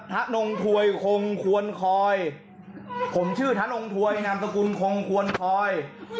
ธนงถวยครับไม่ใช่ธนงควนคลอย